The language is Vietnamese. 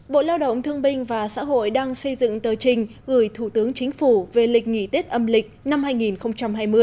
bộ lao động thương binh và xã hội đang xây dựng tờ trình gửi thủ tướng chính phủ về lịch nghỉ tết âm lịch năm hai nghìn hai mươi